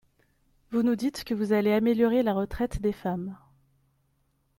Vous nous dites que vous allez améliorer la retraite des femmes.